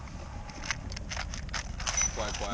怖い怖い。